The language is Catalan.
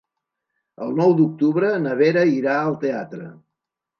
El nou d'octubre na Vera irà al teatre.